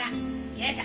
よいしょ。